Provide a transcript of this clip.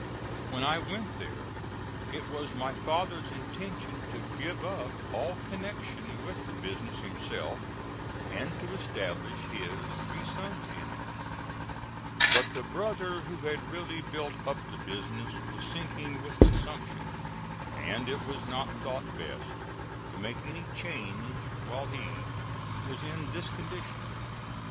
When I went there it was my father's intention to give up all connection with the business himself, and to establish his three sons in it: but the brother who had really built up the business was sinking with consumption, and it was not thought best to make any change while he was in this condition.